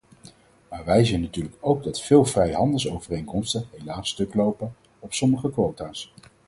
Maar wij zien natuurlijk ook dat veel vrijhandelsovereenkomsten helaas stuklopen op sommige quota's.